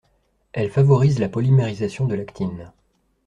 Elles favorisent la polymérisation de l'actine.